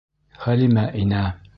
Хәлимә инә.